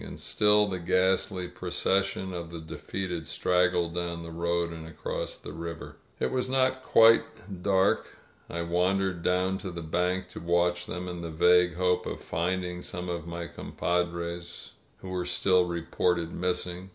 ••• And still the ghastly procession of the defeated straggled down the road and across the river. It was not yet quite dark. I wandered down to the 3bank to watch them, in the vague hope of finding some of my compadres who were still reported missing.